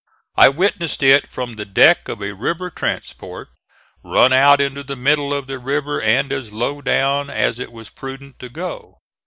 I witnessed it from the deck of a river transport, run out into the middle of the river and as low down as it was prudent to go.